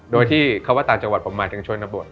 โดยที่เขาว่าต่างจังหวัดผมมาจากเชิญระบบ